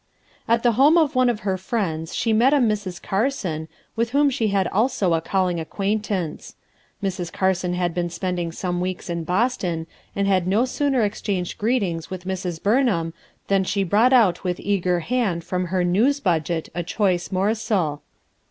At the home of one of her friends she met a Mrs Carson, with whom she had also a calling acquaintance Mrs. Carson had been spending 82 "MOTHERS ARE QUEER'" g3 some weeks in Boston, and had no sooner ex changed greetings with Mrs. Buraham than she brought out with eager hand from her new3 budget a choice morsel.